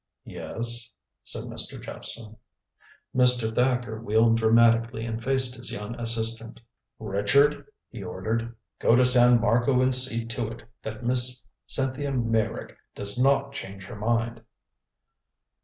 "Yes?" said Mr. Jephson. Mr. Thacker wheeled dramatically and faced his young assistant. "Richard," he ordered, "go to San Marco. Go to San Marco and see to it that Miss Cynthia Meyrick does not change her mind."